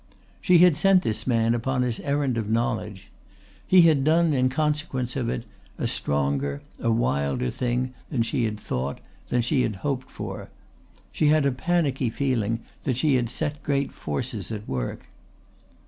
She had sent this man upon his errand of knowledge. He had done, in consequence of it, a stronger, a wilder thing than she had thought, than she had hoped for. She had a panicky feeling that she had set great forces at work.